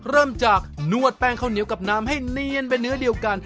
เริ่มจากนวดแป้งข้าวเหนียวกับน้ำให้เนียนเป็นเนื้อเดียวกัน